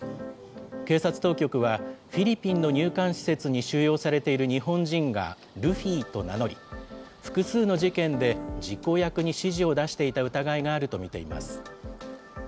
警察当局は、フィリピンの入管施設に収容されている日本人がルフィと名乗り、複数の事件で実行役に指示を出していた疑いがあると見ています。